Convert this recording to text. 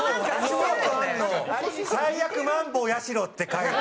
「最悪マンボウやしろ」って書いて。